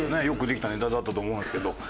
よくできたネタだったと思うんですけど。